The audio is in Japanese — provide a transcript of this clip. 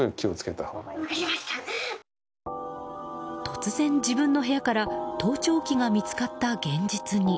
突然、自分の部屋から盗聴器が見つかった現実に。